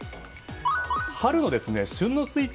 春の旬のスイーツ